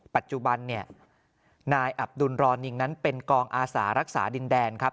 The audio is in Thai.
ปัจจุบันเนี่ยนายอับดุลรอนิงนั้นเป็นกองอาสารักษาดินแดนครับ